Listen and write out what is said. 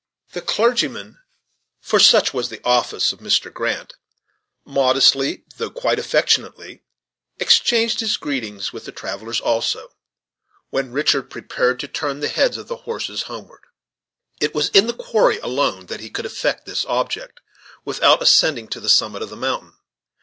The clergyman, for such was the office of Mr. Grant, modestly, though quite affectionately, exchanged his greetings with the travellers also, when Richard prepared to turn the heads of his horses homeward. It was in the quarry alone that he could effect this object, without ascending to the summit of the mountain.